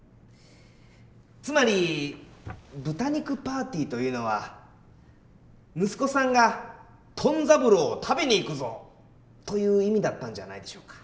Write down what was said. つまり「豚肉パーティー」というのは息子さんが「トン三郎を食べに行くぞ」という意味だったんじゃないでしょうか。